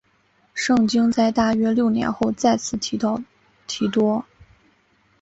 圣经在大约六年后再次提到提多。